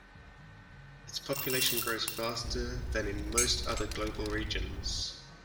Its population grows faster than in most other global regions.